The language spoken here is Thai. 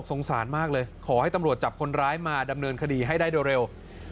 สงสารมากเลยขอให้ตำรวจจับคนร้ายมาดำเนินคดีให้ได้เร็ว